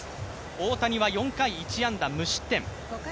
大谷は４回１安打無失点。